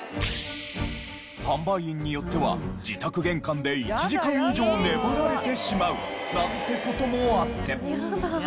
販売員によっては自宅玄関で１時間以上粘られてしまうなんて事もあって。